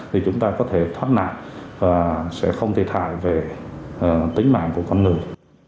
thì chúng ta có thể thoát nạn và sẽ không thiệt hại về tính mạng của con người